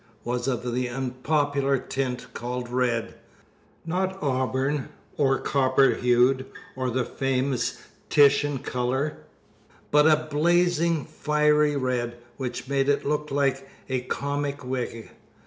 was of the unpopular tint called red; not auburn, or copper hued, or the famous Titian color, but a blazing, fiery red, which made it look like a comic wig.